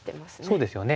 そうですよね。